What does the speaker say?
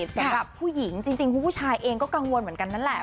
สำหรับผู้หญิงจริงคุณผู้ชายเองก็กังวลเหมือนกันนั่นแหละ